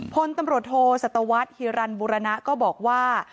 พลตำรวจโทสัตวรรษฮิรันบุรณะก็บอกว่า